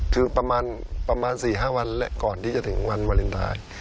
คือประมาณ๔๕วันและก่อนที่จะถึงวันวาเลนไทย